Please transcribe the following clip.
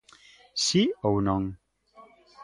Si ou non?